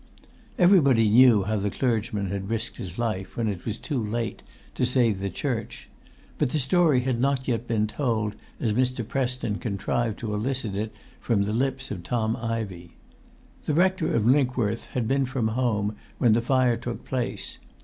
Everybody knew how the clergyman had risked his life, when it was too late, to save the church. But the story had not yet been told as Mr. Preston contrived to elicit it from the lips of Tom Ivey. The Rector of Linkworth had been from home when the fire took place.